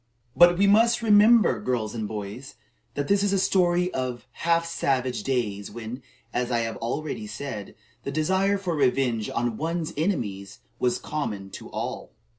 But we must remember, girls and boys, that this is a story of half savage days when, as I have already said, the desire for revenge on one's enemies was common to all.